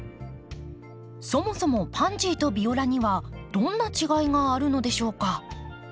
そもそもパンジーとビオラにはどんな違いがあるのでしょうか？